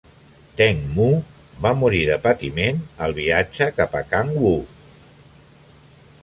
Teng Mu va morir de patiment al viatge cap a Cangwu.